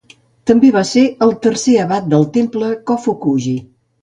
També va ser el tercer abat del Temple Kofukuji.